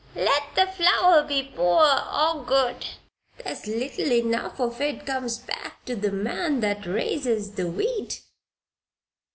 Let the flour be poor, or good, there's little enough of it comes back to the man that raises the wheat."